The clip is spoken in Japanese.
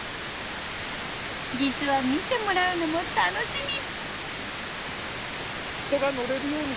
実は見てもらうのも楽しみ。